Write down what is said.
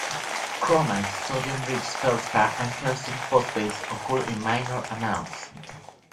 Chromite, sodium-rich feldspar and calcium phosphates occur in minor amounts.